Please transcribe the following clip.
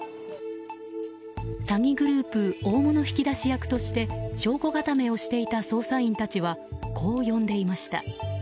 詐欺グループ大物引き出し役として証拠固めをしていた捜査員たちはこう呼んでいました。